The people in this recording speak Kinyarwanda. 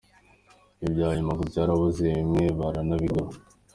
Ibyuma ubu ngo byarabuze bimwe baranabigura.